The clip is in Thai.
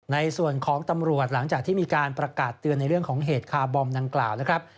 ในส่วนของตำรวจหลังจากที่มีการประกาศเตือนในเรื่องของเหตุคาร์บอมดังกล่าวนะครับ